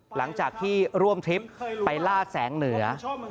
หลังจากที่ร่วมทริปไปล่าแสงเหนือ